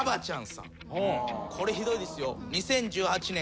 これひどいですよ。